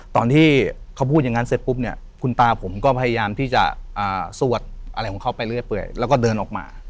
ตอนที่เขาพูดอย่างนั้นเสร็จปุ๊บเนี่ยคุณตาผมก็พยายามที่จะสวดอะไรของเขาไปเรื่อยแล้วก็เดินออกมา